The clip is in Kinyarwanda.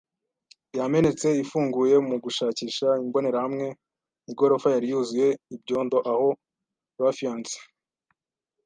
yamenetse ifunguye mugushakisha imbonerahamwe. Igorofa yari yuzuye ibyondo aho ruffians